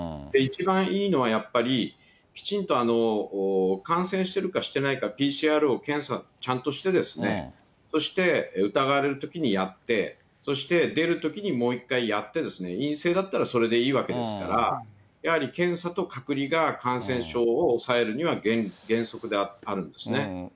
一番いいのはやっぱり、きちんと感染してるかしてないか、ＰＣＲ検査をちゃんとして、そして疑われるときにやって、そして出るときにもう一回やって、陰性だったらそれでいいわけですから、やはり検査と隔離が感染症を抑えるには原則であるんですね。